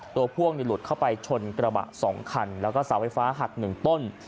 ตัวพ่วงหลุดเข้าไปชนกระบะสองคันแล้วก็สาวไฟฟ้าหักหนึ่งต้น